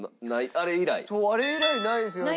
あれ以来？あれ以来ないですよね。